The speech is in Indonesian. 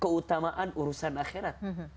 keutamaan urusan akhirat